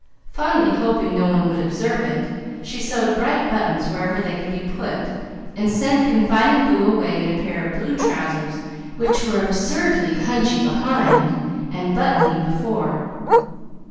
Fondly hoping no one would observe it, she sewed bright buttons wherever they could be put, and sent confiding Boo away in a pair of blue trousers, which were absurdly hunchy behind and buttony before.